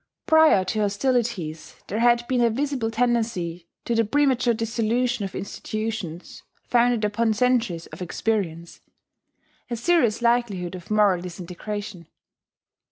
Prior to hostilities, there had been a visible tendency to the premature dissolution of institutions founded upon centuries of experience, a serious likelihood of moral disintegration.